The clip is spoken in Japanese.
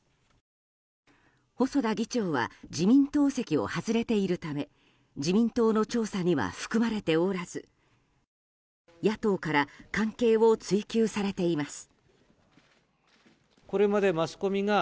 細田議長は自民党籍を外れているため自民党の調査には含まれておらず野党から関係を追及されています。